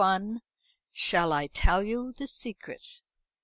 "Shall I tell you the Secret?"